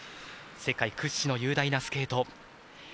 世界屈指の雄大なスケート。